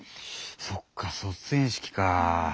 そっか卒園式かぁ。